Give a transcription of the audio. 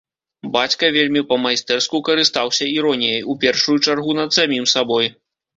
Бацька вельмі па-майстэрску карыстаўся іроніяй, у першую чаргу над самім сабой.